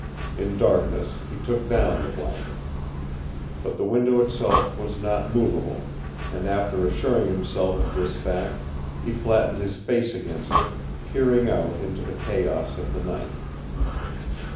In darkness he took down the blanket. But the window itself was not movable, and after assuring himself of this fact he flattened his face against it, peering out into the chaos of the night.